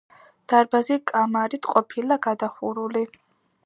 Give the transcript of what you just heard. დარბაზი კამარით ყოფილა გადახურული.